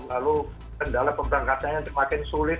lalu kendala pemberangkatannya semakin sulit